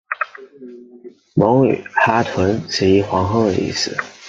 蒙语哈屯即皇后的意思。